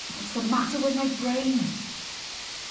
What's the matter with my brain?